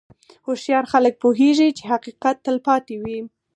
هوښیار خلک پوهېږي چې حقیقت تل پاتې وي.